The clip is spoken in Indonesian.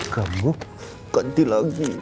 kamu ganti lagi